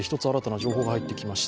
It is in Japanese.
情報が入ってきました。